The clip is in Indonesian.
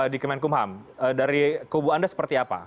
dari kubu anda seperti apa